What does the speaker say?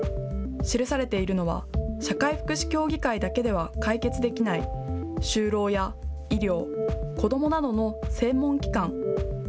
記されているのは社会福祉協議会だけでは解決できない就労や医療、子どもなどの専門機関。